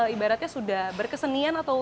ibaratnya sudah berkesenian atau